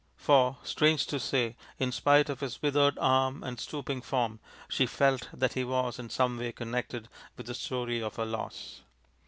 For, strange to say, in spite of his withered arm and stooping form she felt that he was in some way connected with the story of her loss.